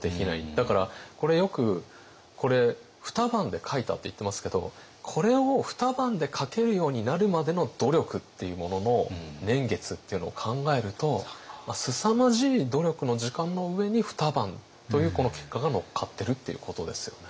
だからこれよく「二晩で描いた」っていってますけどこれを二晩で描けるようになるまでの努力っていうものの年月っていうのを考えるとすさまじい努力の時間の上に二晩というこの結果が乗っかってるっていうことですよね。